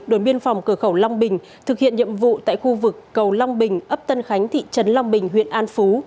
đồn biên phòng cửa khẩu long bình thực hiện nhiệm vụ tại khu vực cầu long bình ấp tân khánh thị trấn long bình huyện an phú